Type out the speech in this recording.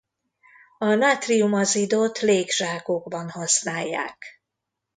A nátrium-azidot légzsákokban használják.